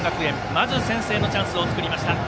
まず、先制のチャンスを作りました。